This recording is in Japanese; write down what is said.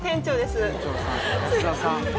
すいません。